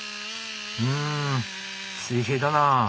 うん水平だなあ。